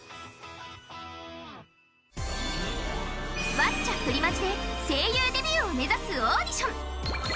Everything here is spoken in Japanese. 『ワッチャプリマジ』で声優デビューを目指すオーディション。